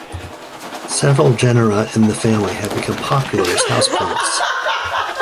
Several genera in the family have become popular as houseplants.